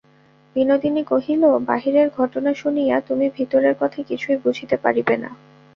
বিনোদিনী কহিল, বাহিরের ঘটনা শুনিয়া তুমি ভিতরের কথা কিছুই বুঝিতে পারিবে না।